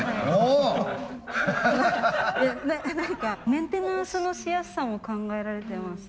何かメンテナンスのしやすさも考えられてます？